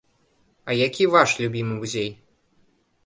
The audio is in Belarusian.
А які ваш любімы музей?